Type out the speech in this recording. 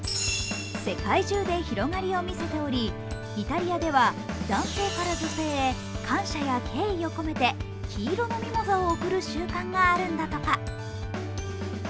世界中で広がりを見せており、イタリアでは男性から女性へ男性から女性や感謝や敬意を込めて黄色のミモザを贈る習慣があるのだとか。